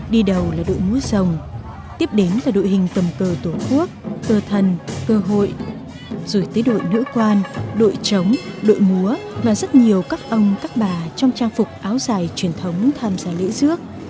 đi đầu là đội múa rồng tiếp đến là đội hình tầm cờ tổ quốc cờ thần cờ hội rồi tới đội nữ quan đội chống đội múa và rất nhiều các ông các bà trong trang phục áo dài truyền thống tham gia lễ dước